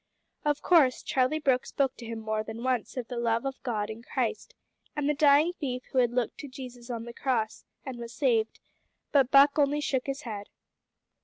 Of course Charlie Brooke spoke to him more than once of the love of God in Christ, and of the dying thief who had looked to Jesus on the cross and was saved, but Buck only shook his head.